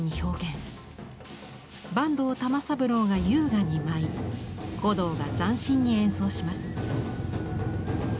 坂東玉三郎が優雅に舞い鼓童が斬新に演奏します。